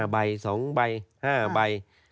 ใบ๒ใบ๕ใบ